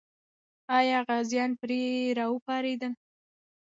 آیا غازیان پرې راوپارېدل؟